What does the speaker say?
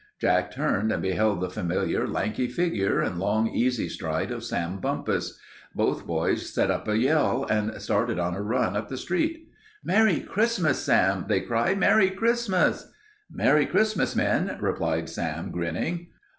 Jack turned and beheld the familiar, lanky figure and long, easy stride of Sam Bumpus. Both boys set up a yell and started on a run up the street. "Merry Christmas, Sam!" they cried. "Merry Christmas!" "Merry Christmas, men," replied Sam, grinning.